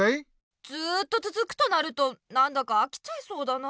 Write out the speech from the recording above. ずっとつづくとなるとなんだかあきちゃいそうだな。